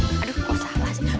aduh kok salah sih